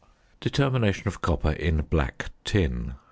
~Determination of Copper in "Black Tin."